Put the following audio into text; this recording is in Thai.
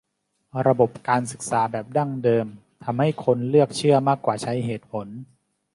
ระบบการศึกษาแบบดั้งเดิมทำให้คนเลือกเชื่อมากกว่าใช้เหตุผล